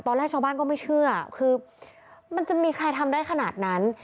ตอนแรกชาวบ้านก็ไม่เชื่อคือมันจะมีใครทำได้ขนาดนั้น